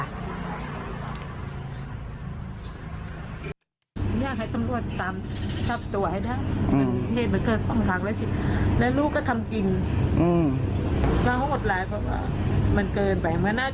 เรี๊ยบว่ารอบแรกรอบแรกมันมันไม่ไม่ตาย